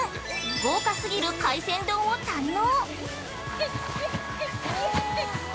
豪華すぎる海鮮丼を堪能！